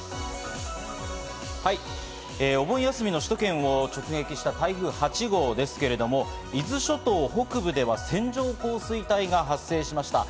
お盆休みの首都圏を直撃した台風８号ですけれども、伊豆諸島北部では線状降水帯が発生しました。